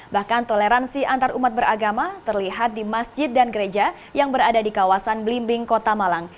bahkan toleransi antarumat beragama terlihat di masjid dan gereja yang berada di kawasan belimbing kota malang